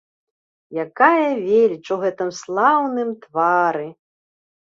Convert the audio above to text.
Якая веліч у гэтым слаўным твары!